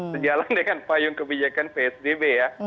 sejalan dengan payung kebijakan psbb ya